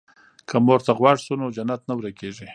که مور ته غوږ شو نو جنت نه ورکيږي.